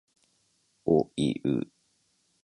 おいう